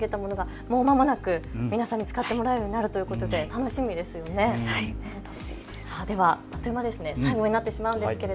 有志の皆さんで作り上げたものがもうまもなく皆さんに使ってもらえるようになるということで楽しみですよね。